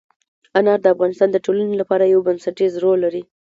انار د افغانستان د ټولنې لپاره یو بنسټيز رول لري.